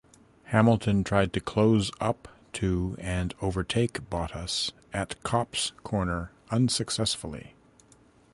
Hamilton tried to close up to and overtake Bottas at Copse corner unsuccessfully.